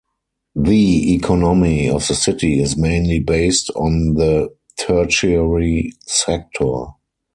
The economy of the city is mainly based on the tertiary sector.